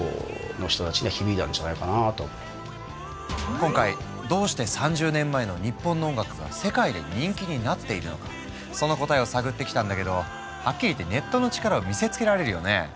今回どうして３０年前の日本の音楽が世界で人気になっているのかその答えを探ってきたんだけどはっきり言ってネットの力を見せつけられるよね。